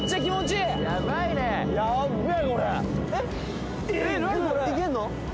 いけんの？